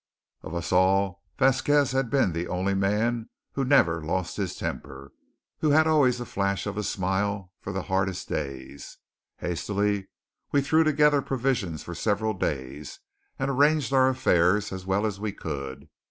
Of us all Vasquez had been the only man who never lost his temper, who had always a flash of a smile for the hardest days. Hastily we threw together provisions for several days, and arranged our affairs as well as we could.